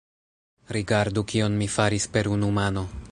Rigardu kion mi faris per unu mano!